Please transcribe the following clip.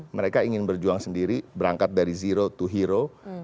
mereka ingin berjuang sendiri berangkat dari zero to hero